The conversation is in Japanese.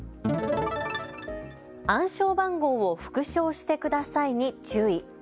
暗証番号を復唱してくださいに注意。